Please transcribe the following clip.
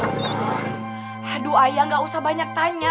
aduh ayah gak usah banyak tanya